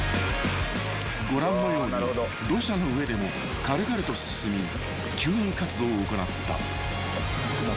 ［ご覧のように土砂の上でも軽々と進み救援活動を行った］